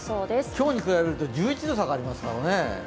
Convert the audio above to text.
今日に比べると１１度下がりますからね。